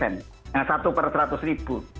yang satu per seratus ribu